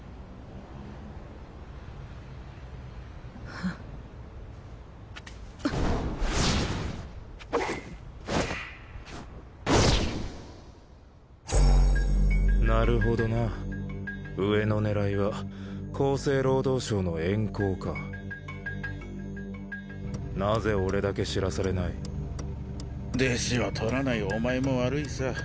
フンなるほどな上の狙いは厚生労働省のエンコーかなぜ俺だけ知らされない弟子を取らないお前も悪いさ